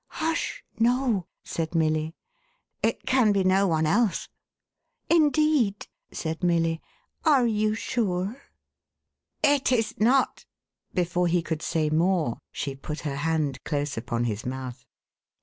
" Hush ! No," said Milly. " It can be no one else."1 * Indeed," said Milly, "are you sure?" 512 THE HAUNTED MAN. "It is not " Before he could say more, sne put her hand close upon his mouth.